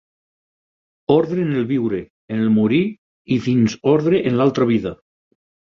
Ordre en el viure, en el morir, i fins ordre en l'altra vida.